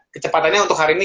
kecepatannya untuk hari ini